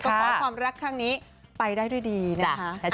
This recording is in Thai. ก็เพราะว่าความรักทางนี้ไปได้ด้วยดีนะครับ